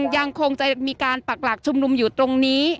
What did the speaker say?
ยังจะมีการปรักดรุปรักจุมลุมอยู่ตรงนี้